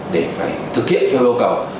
để phải thực hiện theo yêu cầu